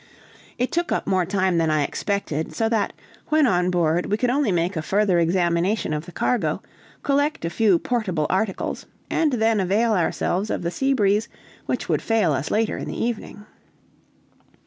It took up more time than I expected, so that, when on board, we could only make a further examination of the cargo, collect a few portable articles, and then avail ourselves of the sea breeze which would fail us later in the evening.